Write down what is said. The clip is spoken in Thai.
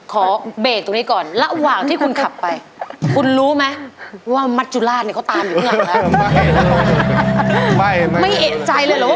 ขอเบรกตรงนี้ก่อนระหว่างที่คุณขับไปคุณรู้ไหมว่ามัดจุฬาศเนี่ยเขาตามอยู่ข้างหลังแล้ว